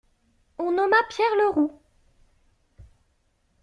On nomma Pierre Leroux.